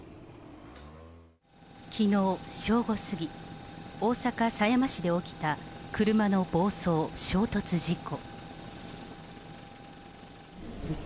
きのう正午過ぎ、大阪・狭山市で起きた車の暴走・衝突事故。